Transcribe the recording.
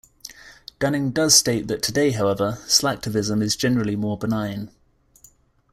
Dunning does state that today, however, slacktivism is generally more benign.